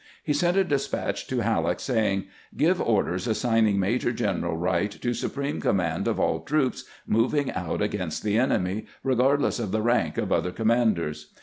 He sent a despatch to Halleck, saying: "Give orders assigning Major general "Wright to supreme command of all troops moving out against the enemy, regard less of the rank of other commanders.